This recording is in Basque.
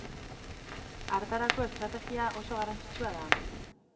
Hartarako, estrategia oso garrantzitsua da.